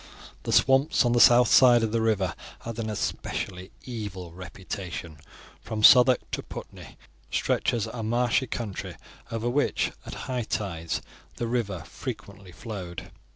The swamps on the south side of the river had an especially evil reputation. From Southwark to Putney stretches a marshy country over which, at high tides, the river frequently flowed.